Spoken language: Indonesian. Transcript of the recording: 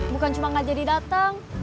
bukan cuma nggak jadi datang